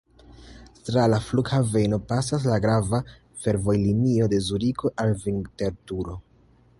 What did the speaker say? Tra la flughaveno pasas la grava fervojlinio de Zuriko al Vinterturo.